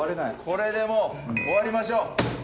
これでもう終わりましょう。